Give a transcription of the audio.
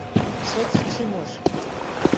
— Шӹц, Чимош.